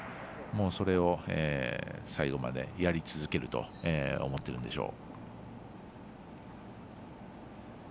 それを最後までやり続けると思っているんでしょう。